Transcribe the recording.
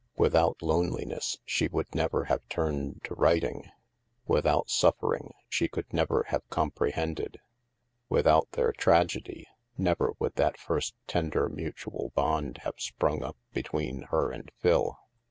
Without loneliness, she would never have turned to writing. Without suffering, she could never have compre hended. HAVEN 321 Without their tragedy, never would that first tender mutual bond have sprung up between her and Phil.